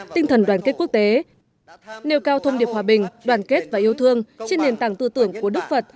tinh thần đoàn kết quốc tế nêu cao thông điệp hòa bình đoàn kết và yêu thương trên nền tảng tư tưởng của đức phật